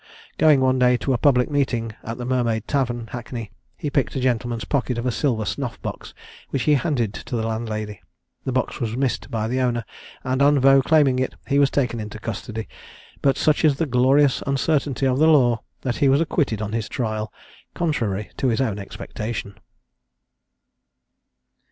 Going one day to a public meeting at the Mermaid Tavern, Hackney, he picked a gentleman's pocket of a silver snuff box, which he handed to the landlady. The box was missed by the owner, and on Vaux claiming it, he was taken into custody; but such is the glorious uncertainty of the law, that he was acquitted on his trial, contrary to his own expectation.